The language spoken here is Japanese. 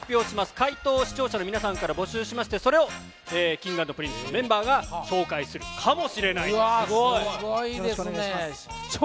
解答を視聴者の皆さんから募集しまして、それをＫｉｎｇ＆Ｐｒｉｎｃｅのメンバーが紹介するかもしれすごい。